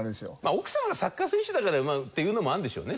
奥さんがサッカー選手だからっていうのもあるんでしょうね。